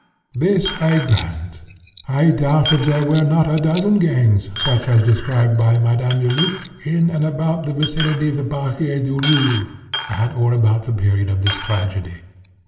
This I grant. I doubt if there were not a dozen gangs, such as described by Madame Deluc, in and about the vicinity of the Barrière du Roule at or about the period of this tragedy.